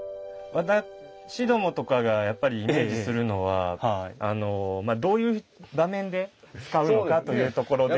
私どもとかがやっぱりイメージするのはどういう場面で使うのかというところで。